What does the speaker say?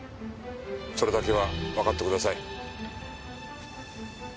それだけはわかってください。